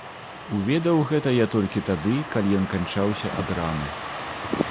Уведаў гэта я толькі тады, калі ён канчаўся ад раны.